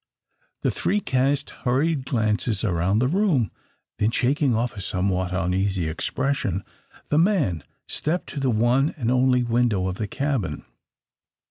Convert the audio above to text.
The three cast hurried glances about the room, then shaking off a somewhat uneasy expression, the man stepped to the one and only window of the cabin.